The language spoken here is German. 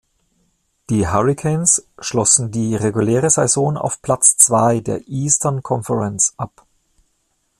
Die Hurricanes schlossen die reguläre Saison auf Platz zwei der Eastern Conference ab.